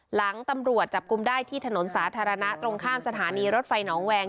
หลังตำรวจจับกลุ่มได้ที่ถนนสาธารณะตรงข้ามสถานีรถไฟหนองแวง